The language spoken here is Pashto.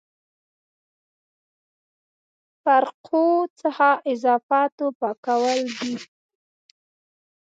فرقو څخه اضافاتو پاکول دي.